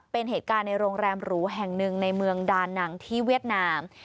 เป็นเหตุการณ์ในโรงแรมหรูแห่งหนึ่งในเมืองดานังที่เวียดนาม